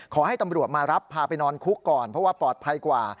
ขอให้ตำรวจมารับพาไปนอนคุกก่อนเพราะว่าปลอดภัยกว่า